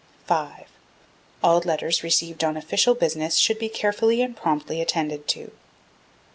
5. All letters received on official business should be carefully and promptly attended to.